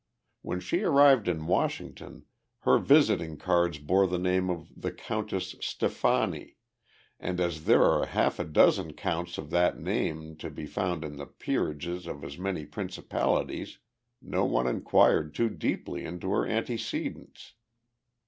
When she arrived in Washington her visiting cards bore the name of the Countess Stefani, and as there are half a dozen counts of that name to be found in the peerages of as many principalities, no one inquired too deeply into her antecedents.